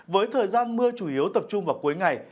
với thời gian mưa chủ yếu tập trung vào cuối ngày